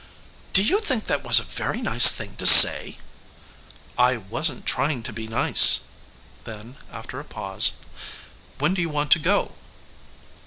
"Do you think that was a very nice thing to say?" "I wasn't trying to be nice." Then after a pause: "When do you want to go?"